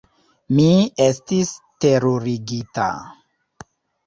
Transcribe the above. Mi estis terurigita.